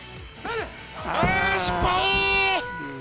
あー、失敗！